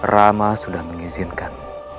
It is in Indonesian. rama sudah mengizinkan